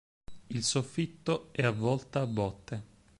Il soffitto è a volta a botte.